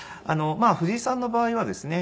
藤井さんの場合はですね